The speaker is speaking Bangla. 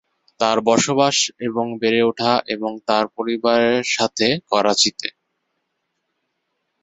তার বসবাস এবং বেড়ে ওঠা এবং তার পরিবারের সাথে করাচিতে।